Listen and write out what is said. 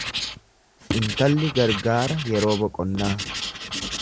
Intalli gargaara yeroo boqonnaa.